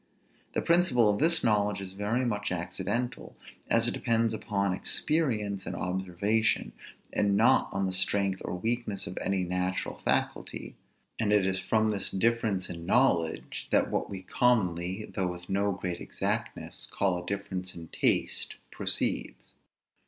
The principle of this knowledge is very much accidental, as it depends upon experience and observation, and not on the strength or weakness of any natural faculty; and it is from this difference in knowledge, that what we commonly, though with no great exactness, call a difference in taste proceeds.